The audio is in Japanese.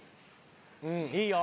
［うんいいよ］